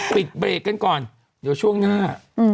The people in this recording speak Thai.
ปิดเบรกกันก่อนเดี๋ยวช่วงหน้า